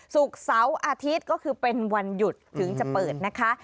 ศุกร์เสาร์อาทิตย์ก็คือเป็นวันหยุดถึงจะเปิดนะคะ